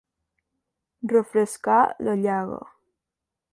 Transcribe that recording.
Refrescar la llaga.